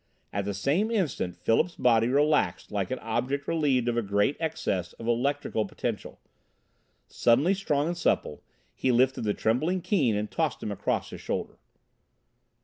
At the same instant Philip's body relaxed like an object relieved of a great excess of electrical potential. Suddenly strong and supple, he lifted the trembling Keane and tossed him across his shoulder.